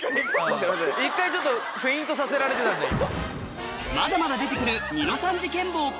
１回ちょっとフェイントさせられてた今。